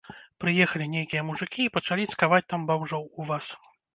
Прыехалі нейкія мужыкі і пачалі цкаваць там бамжоў у вас.